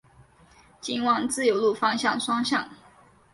仅往自由路方向双向